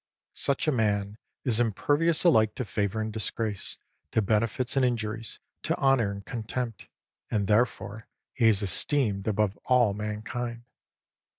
Such a man is impervious alike to favour and disgrace, to benefits and injuries, to honour and contempt. And therefore he is esteemed above all mankind.